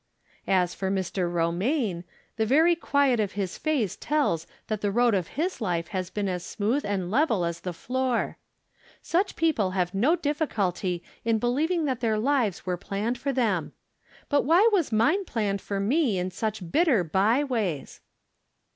As for JMr. From Different Standpoints. 227 Romaine, tlie very quiet of Ms face tells that the road of his life has been as smooth and level as the floor. Such people have no difficulty in be lieving that their lives were planned for them. But why was mine planned for me in such bitter by ways